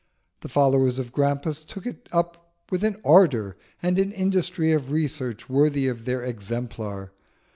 The followers of Grampus took it up with an ardour and industry of research worthy of their exemplar.